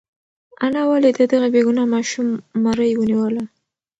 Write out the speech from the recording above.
انا ولې د دغه بېګناه ماشوم مرۍ ونیوله؟